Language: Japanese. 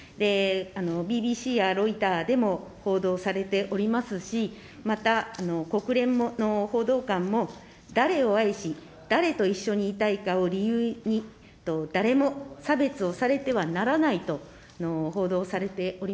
ＢＢＣやロイターでも報道されておりますし、また、国連の報道官も、誰を愛し、誰と一緒にいたいかを理由に、誰も差別をされてはならないと、報道されており。